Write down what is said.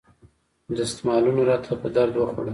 دستمالونو راته په درد وخوړل.